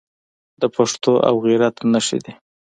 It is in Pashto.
د پښتو او غیرت نښې دي.